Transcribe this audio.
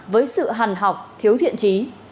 với sự hàn học thiếu thiện trí